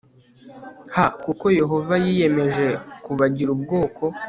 h kuko Yehova yiyemeje kubagira ubwoko